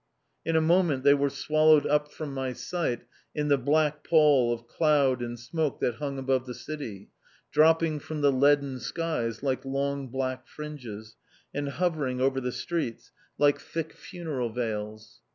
In a moment they were swallowed up from my sight in the black pall of cloud and smoke that hung above the city, dropping from the leaden skies like long black fringes, and hovering over the streets like thick funeral veils.